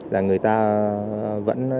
là người ta vẫn